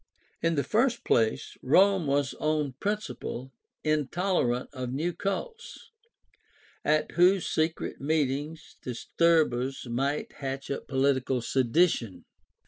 In the first place Rome was on principle intolerant of new cults, at whose secret meetings disturbers might hatch up political sedition.